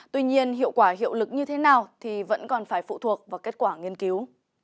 tuy nhiên hiệu quả hiệu lực như thế nào thì vẫn còn phải phụ thuộc vào kết quả nghiên cứu